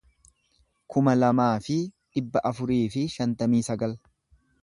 kuma lamaa fi dhibba afurii fi shantamii sagal